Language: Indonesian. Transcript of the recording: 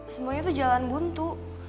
semuanya tuh jalan buntu